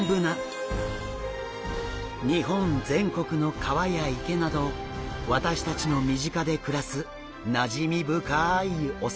日本全国の川や池など私たちの身近で暮らすなじみ深いお魚ですが。